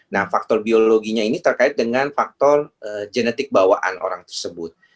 nah faktor biologinya ini terkait dengan faktor genetik bawaan orang tersebut